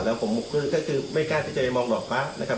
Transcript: แล้วผมก็คือไม่กล้าที่จะไปมองหรอกมากนะครับ